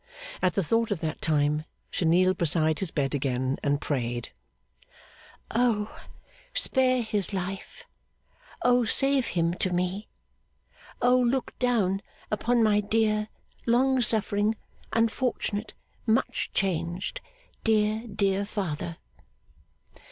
At the thought of that time, she kneeled beside his bed again, and prayed, 'O spare his life! O save him to me! O look down upon my dear, long suffering, unfortunate, much changed, dear dear father!